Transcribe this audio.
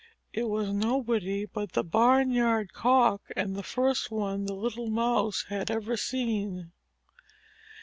It was nobody but the Barnyard Cock and the first one the little Mouse had ever seen.